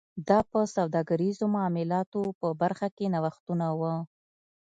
دا په سوداګریزو معاملاتو په برخه کې نوښتونه و